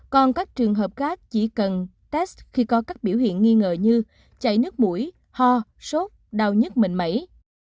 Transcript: còn các trường hợp khác chỉ cần test khi có các biểu hiện nghi ngờ như chảy nước mũi ho sốt đau nhứt mệnh mẩy